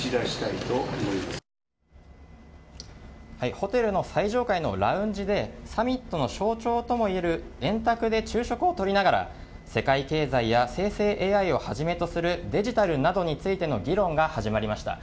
ホテルの最上階のラウンジでサミットの象徴ともいえる円卓で昼食をとりながら世界経済や生成ＡＩをはじめとするデジタルなどについての議論が始まりました。